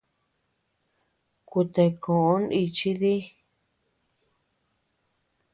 Kuta koʼo nichi dii.